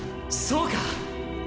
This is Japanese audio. そうか！